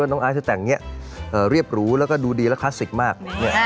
จะบอกว่าพี่จิ๊บสแกนหัวจนลดเท้าเลยนะ